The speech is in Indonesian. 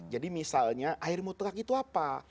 jadi misalnya air mutlaq itu apa